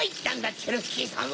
チェロヒキーさんは！